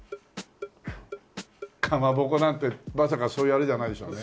かまぼこなんてまさかそういうあれじゃないでしょうね。